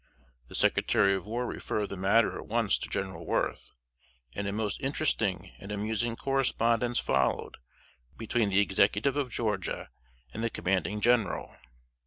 The Secretary of War referred the matter at once to General Worth, and a most interesting and amusing correspondence followed between the Executive of Georgia and the Commanding General.